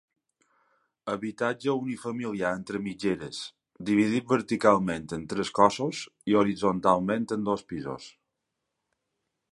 Habitatge unifamiliar entre mitgeres, dividit verticalment en tres cossos i horitzontalment en dos pisos.